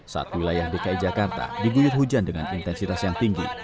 saat wilayah dki jakarta diguyur hujan dengan intensitas yang tinggi